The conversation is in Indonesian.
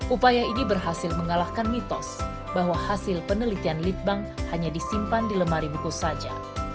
upaya ini berhasil mengalahkan mitos bahwa hasil penelitian lead bank hanya disimpan di lemari buku saja